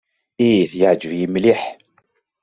Ih, yeɛjeb-iyi mliḥ.